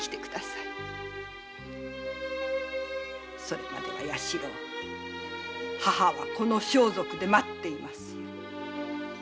それまでは弥四郎母はこの装束で待っています。